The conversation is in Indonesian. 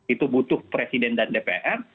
itu butuh presiden dan dpr